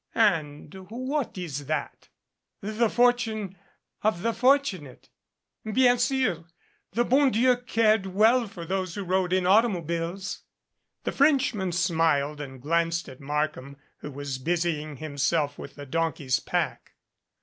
"And what is that?" "The fortune of the fortunate. Bien sur. The bon Dleu cared well for those who rode in automobiles." The Frenchman smiled and glanced at Markham, who was busying himself with the donkey's pack.